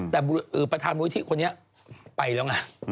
แต่ประธานมูลิธิคนนี้ไปแล้วไง